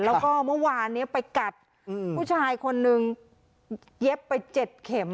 แล้วก็เมื่อวานนี้ไปกัดผู้ชายคนนึงเย็บไป๗เข็ม